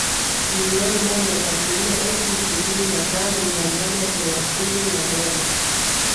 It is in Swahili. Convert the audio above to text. milioni moja laki nne elfu ishirini na tano mia moja thelathini na moja